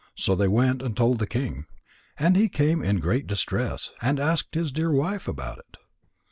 So they went and told the king. And he came in great distress, and asked his dear wife about it.